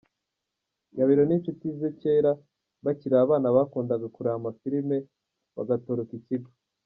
Gabiro n'inshuti ze kera bakiri abana bakunda kureba ama filime bagatoroka ikigo.